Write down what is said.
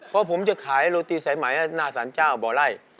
เพราะผมจะขายโรตีสายไหมหน้าสารเจ้าบ่อไล่